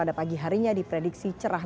tapi kita akan lihat